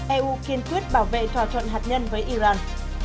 eu kiên quyết bảo vệ thỏa thuận hạt nhân với iran